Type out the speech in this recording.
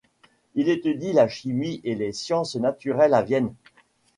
Il étudie la chimie et les sciences naturelles à Vienne.